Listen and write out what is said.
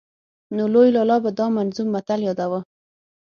نو لوی لالا به دا منظوم متل ياداوه.